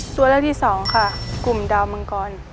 ส่วนเลขที่สองค่ะกลุ่มดาวมังกร